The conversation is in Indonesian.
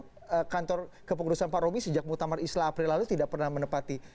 karena memang kantor kepengurusan pak romi sejak buktamar islam april lalu tidak pernah menepati